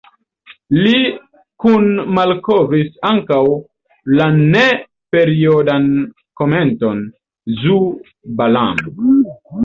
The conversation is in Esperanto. Li kunmalkovris ankaŭ la ne-periodan kometon Zhu-Balam.